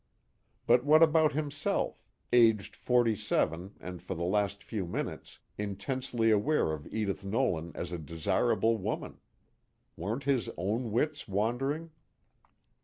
But what about himself, aged forty seven and for the last few minutes intensely aware of Edith Nolan as a desirable woman? Weren't his own wits wandering?